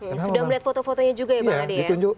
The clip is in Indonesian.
sudah melihat foto fotonya juga ya pak ade ya